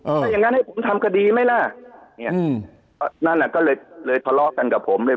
ถ้าอย่างงั้นให้ผมทำคดีไหมล่ะเนี่ยนั่นอ่ะก็เลยเลยทะเลาะกันกับผมเลย